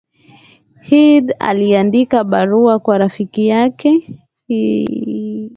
edith aliandika barua kwa rafiki yake